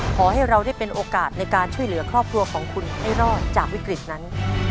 ขอให้เราได้เป็นโอกาสในการช่วยเหลือครอบครัวของคุณให้รอดจากวิกฤตนั้น